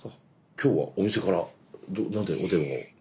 今日はお店から何でお電話を？